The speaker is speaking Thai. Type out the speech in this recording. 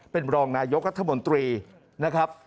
เป็นรองนายกรัฐมนตรีนะครับ